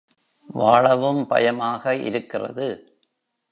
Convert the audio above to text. வாழவும் பயமாக இருக்கிறது.